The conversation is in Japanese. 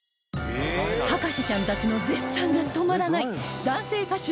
博士ちゃんたちの絶賛が止まらない男性歌手